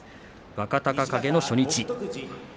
若隆景の初日。